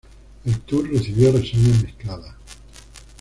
El tour recibió reseñas mezcladas.